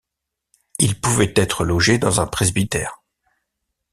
Il pouvait être logé dans un presbytère.